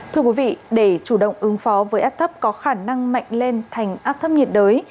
thưa quý vị để chủ động ứng phó với áp thấp có khả năng mạnh lên thành áp thấp nhiệt đới